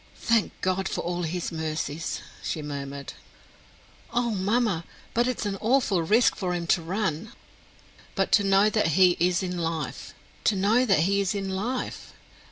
"Thank God for all his mercies," she murmured. "Oh, mamma, but it is an awful risk for him to run!" "But to know that he is in life to know that he is in life!